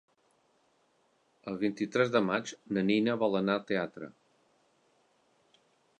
El vint-i-tres de maig na Nina vol anar al teatre.